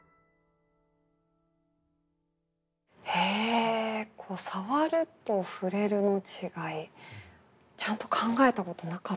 へえさわるとふれるの違いちゃんと考えたことなかったです。